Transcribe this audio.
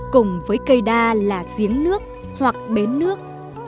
cùng với cây đa là giếng nước hoặc bến nước